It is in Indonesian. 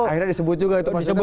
akhirnya disebut juga